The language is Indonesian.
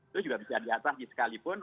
itu juga bisa diatasi sekalipun